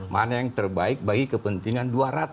mana yang terbaik bagi kepentingan